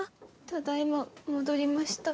ただ今戻りました。